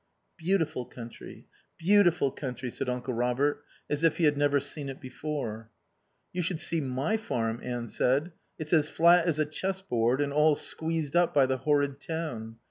"Beautiful country. Beautiful country," said Uncle Robert as if he had never seen it before. "You should see my farm," Anne said. "It's as flat as a chess board and all squeezed up by the horrid town.